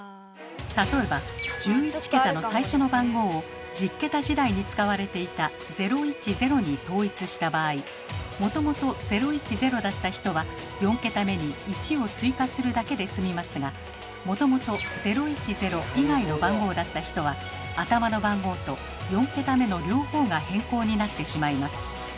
例えば１１桁の最初の番号を１０桁時代に使われていた「０１０」に統一した場合もともと「０１０」だった人は４桁目に「１」を追加するだけですみますがもともと「０１０」以外の番号だった人は頭の番号と４桁目の両方が変更になってしまいます。